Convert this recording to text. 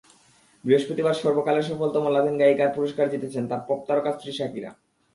বৃহস্পতিবার সর্বকালের সফলতম লাতিন গায়িকার পুরস্কার জিতেছেন তাঁর পপতারকা স্ত্রী শাকিরা।